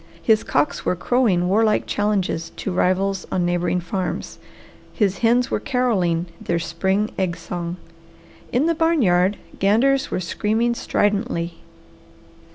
His cocks were crowing warlike challenges to rivals on neighbouring farms. His hens were carolling their spring egg song. In the barn yard ganders were screaming stridently.